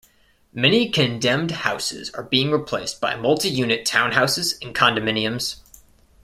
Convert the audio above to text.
Many condemned houses are being replaced by multi-unit townhouses and condominiums.